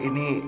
dia lebih baik